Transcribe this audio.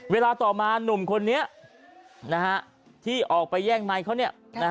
เวลาต่อมาหนุ่มคนนี้ที่ออกไปแย่งไมค์เขา